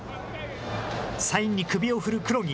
サインに首を振る黒木。